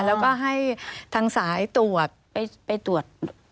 แล้วก็ให้ทางสายตรวจไปตรวจ